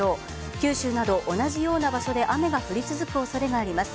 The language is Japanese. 九州など同じような場所で雨が降り続く恐れがあります。